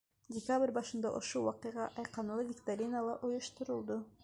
Декабрь башында ошо ваҡиға айҡанлы викторина ла ойошторолдо.